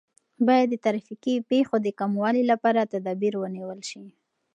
باید د ترافیکي پیښو د کموالي لپاره تدابیر ونیول سي.